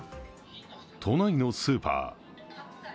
都内のスーパー。